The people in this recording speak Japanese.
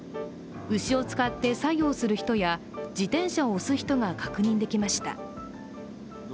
牛を使って作業する人や自転車を押す人が確認できました。